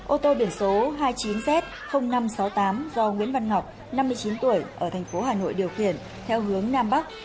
ô tô biển số hai mươi chín z năm trăm sáu mươi tám do nguyễn văn ngọc năm mươi chín tuổi ở thành phố hà nội điều khiển theo hướng nam bắc